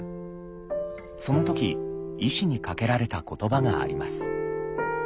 その時医師にかけられた言葉があります。